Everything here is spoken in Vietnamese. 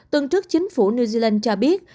tuần trước chính phủ new zealand cho biết